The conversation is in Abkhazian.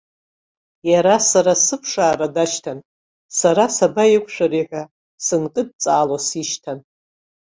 Иара сара сыԥшаара дашьҭан, сара сабаиқәшәари ҳәа сынкыдҵаало сишьҭан.